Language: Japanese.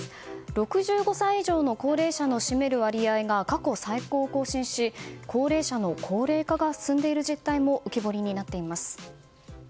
６５歳以上の高齢者の占める割合が過去最高を更新し高齢者の高齢化が進んでいる実態も浮き彫りになっています。